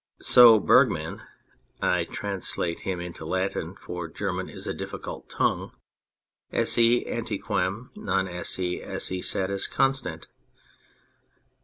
So Bergmann (I translate him into Latin, for German is a difficult tongue) " esse antequam non esse esse satis constat."